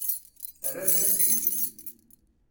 Rrant-as-t-id.